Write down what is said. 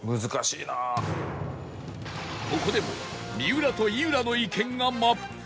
ここでも三浦と井浦の意見が真っ二つ